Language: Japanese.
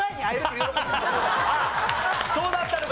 そうだったのか！